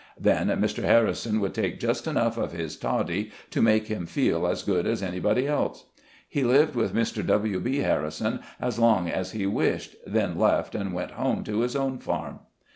Then Mr. Harrison would take just enough of his toddy to make him feel as good as anybody else. He lived with Mr. W. B. Harrison as long as he wished, then left and went home to his own farm.